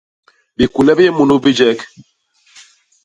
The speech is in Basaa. Bikule bi yé munu bijek.